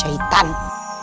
sampai jumpa lagi